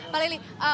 pali selamat sore